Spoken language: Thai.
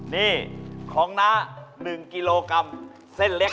นี่ของน้า๑กิโลกรัมเส้นเล็ก